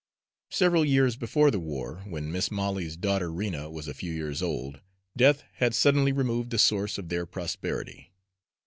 Several years before the war, when Mis' Molly's daughter Rena was a few years old, death had suddenly removed the source of their prosperity.